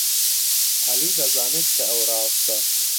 عەلی دەزانێت کە ئەو ڕاستە.